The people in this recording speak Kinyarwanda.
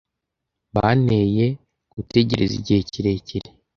Banteye gutegereza igihe kirekire.